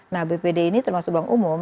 nah bpd ini termasuk bank umum